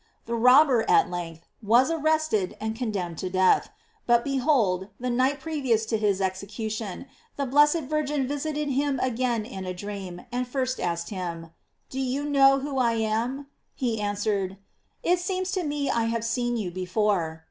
The robber, at length, was arrest ed, and condemned to death; but behold, the night previous to his execution, the blessed Vir gin visited him again in a dream, and first asked him: "Do you know who I am?" He answered, "It seems to me I have seen you before."